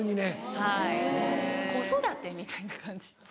はい子育てみたいな感じです。